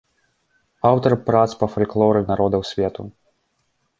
Аўтар прац па фальклоры народаў свету.